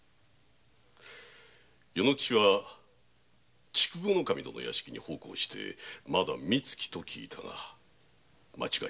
与之吉は筑後守殿の屋敷に奉公しまだ三月と聞いたが間違いないか？